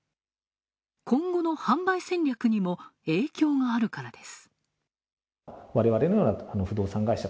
今後の販売戦略にも影響があるからです。